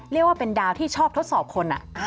เรียกว่าเป็นดาวที่ชอบทดสอบคน